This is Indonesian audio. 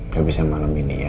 gak bisa malam ini ya